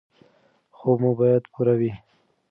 خوب مو باید پوره وي.